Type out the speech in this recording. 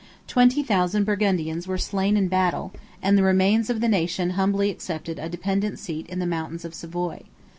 Twenty thousand Burgundians were slain in battle; and the remains of the nation humbly accepted a dependent seat in the mountains of Savoy.